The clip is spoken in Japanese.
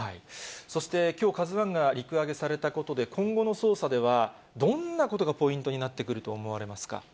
そして、きょうＫＡＺＵＩが陸揚げされたことで、今後の捜査では、どんなことがポイントになってくると思われますか。